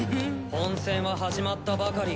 本戦は始まったばかり。